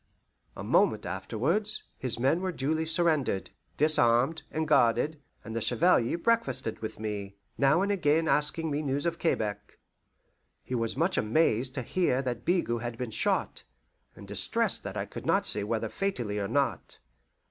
A moment afterwards, his men were duly surrendered, disarmed, and guarded, and the Chevalier breakfasted with me, now and again asking me news of Quebec. He was much amazed to hear that Bigot had been shot, and distressed that I could not say whether fatally or not.